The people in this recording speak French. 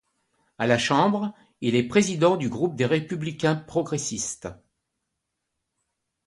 À la chambre, il est président du groupe des Républicains progressistes.